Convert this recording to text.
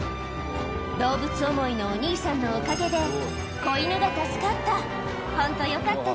動物思いのお兄さんのおかげで子犬が助かった。